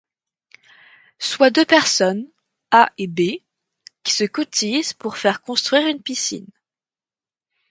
Soient deux personnes, A et B, qui se cotisent pour faire construire une piscine.